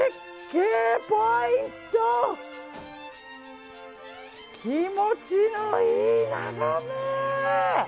気持ちのいい眺め。